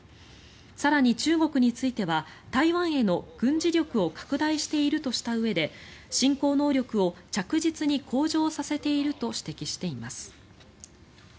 更に中国については台湾への軍事力を拡大しているとしたうえで侵攻能力を着実に向上させていると指摘しています。